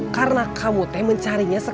karena kamu teh mencarinya sendiri